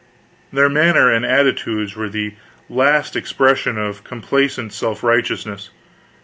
Their manner and attitudes were the last expression of complacent self righteousness.